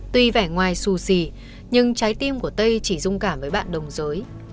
tuy vẻ ngoài xù xì nhưng trái tim của tây chỉ dung cảm với bạn đồng giới